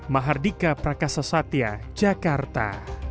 mahardika prakasa satya jakarta